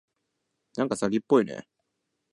なんか詐欺っぽいね。